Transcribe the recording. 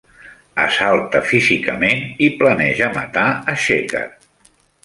Assalta físicament i planeja matar a Shekar.